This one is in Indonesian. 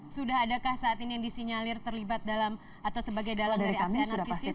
sudah adakah saat ini yang disinyalir terlibat dalam atau sebagai dalang dari aksi anarkistis